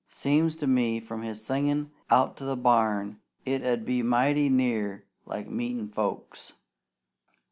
Seemed to me from his singin' out to the barn, it 'ud be mighty near like meetin' folks."